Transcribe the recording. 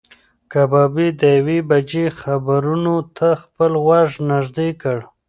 کبابي د یوې بجې خبرونو ته خپل غوږ نږدې کړ.